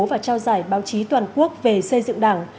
và trao giải báo chí toàn quốc về xây dựng đảng